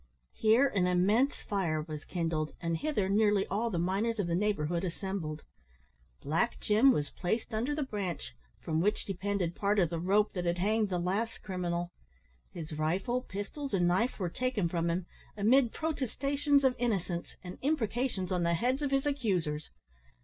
Here an immense fire was kindled, and hither nearly all the miners of the neighbourhood assembled. Black Jim was placed under the branch, from which depended part of the rope that had hanged the last criminal. His rifle, pistols, and knife, were taken from him, amid protestations of innocence, and imprecations on the heads of his accusers.